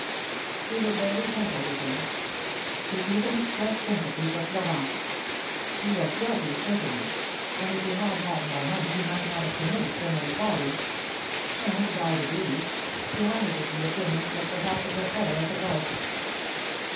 She was very gentle with him. She even expressed sympathy for Florent. He was guilty, certainly, and if he had had more money he might not have committed so many follies; and, by degrees, she hazarded the opinion that perhaps it was better as it was.